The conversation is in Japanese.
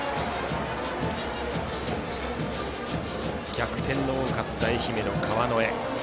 逆転の多かった愛媛の川之江。